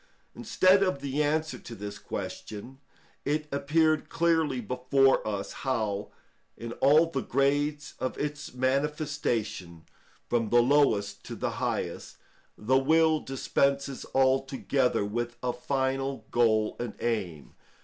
Instead of the answer to this question, it appeared clearly before us how, in all the grades of its manifestation, from the lowest to the highest, the will dispenses altogether with a final goal and aim.